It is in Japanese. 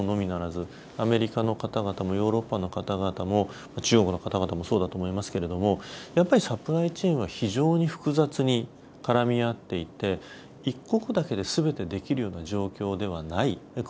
私のみならずアメリカ、ヨーロッパ、中国もそうだと思いますがやっぱりサプライチェーンは非常に複雑に絡み合っていて一国だけで全てできるような状況ではない。